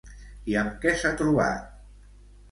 I amb què s'ha trobat?